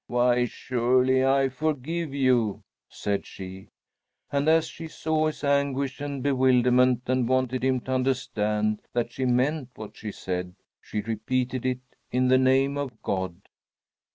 "Why, surely I forgive you!" said she. And as she saw his anguish and bewilderment and wanted him to understand that she meant what she said, she repeated it in the name of God.